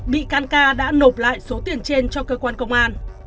bị can ca đã nộp lại số tiền trên cho cơ quan công an